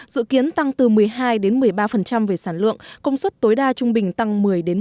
dự kiến tăng từ một mươi hai một mươi ba về sản lượng công suất tối đa trung bình tăng một mươi một mươi